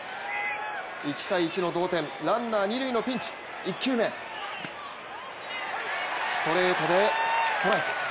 １−１の同点、ランナー二塁のピンチ、１球目、ストレートでストライク。